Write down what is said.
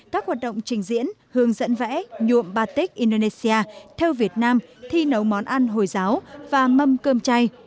các hoạt động trình diễn hướng dẫn vẽ nhuộm batech indonesia theo việt nam thi nấu món ăn hồi giáo và mâm cơm chay